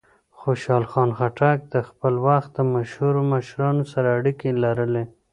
خوشحال خان خټک د خپل وخت د مشهورو مشرانو سره اړیکې لرلې.